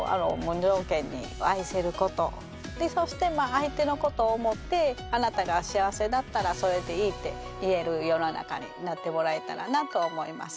そして相手のことを思ってあなたが幸せだったらそれでいいって言える世の中になってもらえたらなと思います。